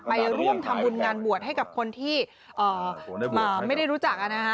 ไปร่วมทำบุญงานบวชให้กับคนที่ไม่ได้รู้จักนะฮะ